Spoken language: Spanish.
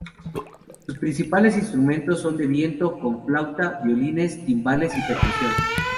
Sus principales instrumentos son de viento, con flauta, violines, timbales y percusión.